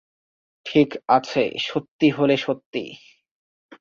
ঠিক আছে, সত্যি হলে সত্যি।